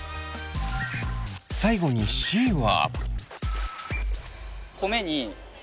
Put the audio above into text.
最後にＣは。